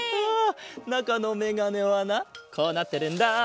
ああなかのメガネはなこうなってるんだ。